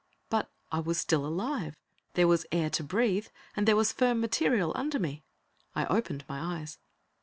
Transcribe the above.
But I was still alive. There was air to breathe and there was firm material under me. I opened my eyes.